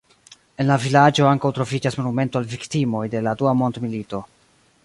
En la vilaĝo ankaŭ troviĝas monumento al viktimoj de la dua mondmilito.